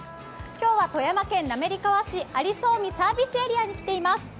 今日は富山県滑川市、有磯海サービスエリアに来ています。